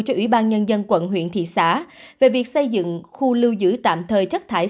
cho ủy ban nhân dân quận huyện thị xã về việc xây dựng khu lưu giữ tạm thời chất thải